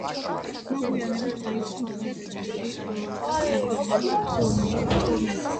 მოგვიანებით დაიწყო მხარდამჭერი საკონცერტო ტურნეც.